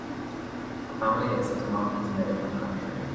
A family is at a market in a different country.